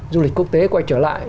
du lịch quốc tế quay trở lại